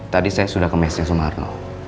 tadi saya sudah kemesin sumarno